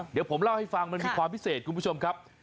เดี๋ยวผมเล่าให้ฟังมันมีความพิเศษคุณผู้ชมครับ